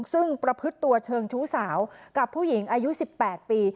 ซึ่งประพฤติตัวเชิงชู้สาวกับผู้หญิงอายุ๑๘ปี